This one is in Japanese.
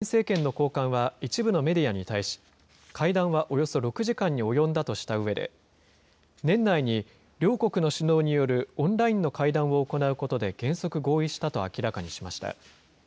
バイデン政権の高官は一部のメディアに対し、会談はおよそ６時間に及んだとしたうえで、年内に両国の首脳によるオンラインの会談を行うことで原則合意したと明らかにしました。